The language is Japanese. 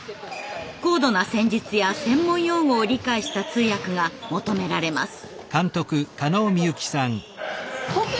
高度な戦術や専門用語を理解した通訳が求められます。